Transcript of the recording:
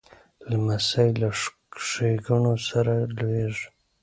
لمسی له ښېګڼو سره لویېږي.